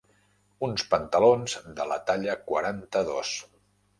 Uns pantalons de la talla quaranta-dos.